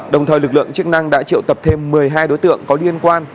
đồng thời lực lượng chức năng đã triệu tập thêm một mươi hai đối tượng có liên quan